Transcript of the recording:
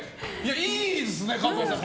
いいですね、加藤さん。